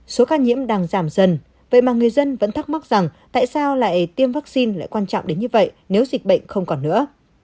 số ca nhiễm đang giảm dần vậy mà người dân vẫn thắc mắc rằng tại sao lại tiêm vaccine lại quan trọng đến như vậy nếu dịch bệnh không còn nữa